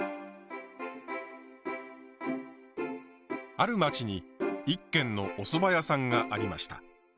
ある町に一軒のおそば屋さんがありました。